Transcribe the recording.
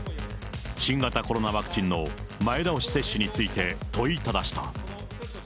新型コロナワクチンの前倒し接種について、問いただした。